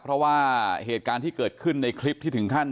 เพราะว่าเหตุการณ์ที่เกิดขึ้นในคลิปที่ถึงขั้น